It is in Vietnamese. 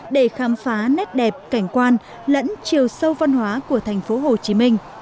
để khám phá nét đẹp cảnh quan lẫn chiều sâu văn hóa của thành phố hồ chí minh